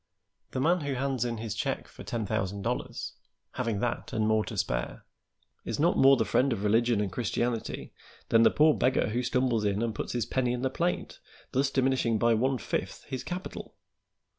The man who hands in his check for ten thousand dollars, having that and more to spare, is not more the friend of religion and Christianity than the poor beggar who stumbles in and puts his penny in the plate, thus diminishing by one fifth his capital.